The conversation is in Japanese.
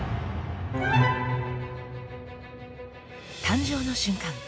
誕生の瞬間